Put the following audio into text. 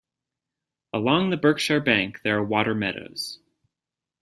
Along the Berkshire bank there are water meadows.